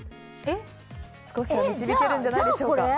少しは導けるんじゃないでしょうか。